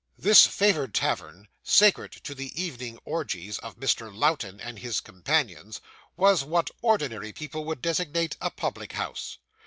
This favoured tavern, sacred to the evening orgies of Mr. Lowten and his companions, was what ordinary people would designate a public house.